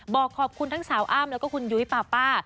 บอกขอบคุณทั้งสาวอ้ำแล้วก็คุณยุ้ยปาป้า